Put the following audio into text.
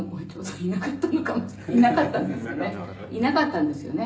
「いなかったんですね」